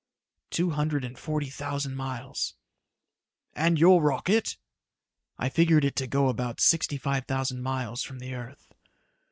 "Two hundred and forty thousand miles." "And your rocket?" "I figured it to go about sixty five thousand miles from the earth."